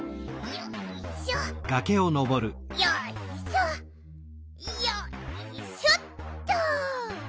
よいしょよいしょよいしょっと。